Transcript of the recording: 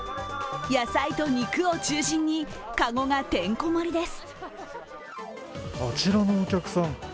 野菜と肉を中心にかごが、てんこ盛りです。